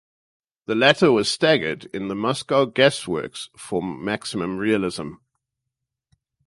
The latter was staged in the Moscow Gas Works, for maximum realism.